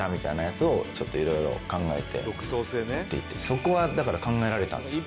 そこはだから考えられたんですよ。